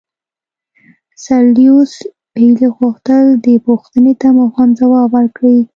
سر لیویس پیلي غوښتل دې پوښتنې ته مبهم ځواب ورکړي.